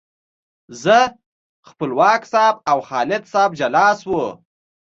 زه، خپلواک صاحب او خالد صاحب جلا شوو.